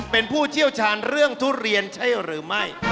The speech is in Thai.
เป็นผู้เชี่ยวชาญเรื่องทุเรียนใช่หรือไม่